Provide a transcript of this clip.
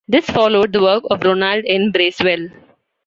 This followed the work of Ronald N. Bracewell.